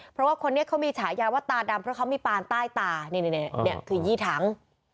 เพราะว่าคนนี้เขามีฉายาว่าตาดำเพราะเขามีปานใต้ตานี่คือยี่ถัง